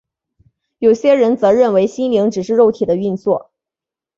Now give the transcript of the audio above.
有些人则认为心灵只是肉体的运作。